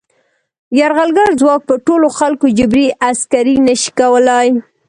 یرغلګر ځواک په ټولو خلکو جبري عسکري نه شي کولای.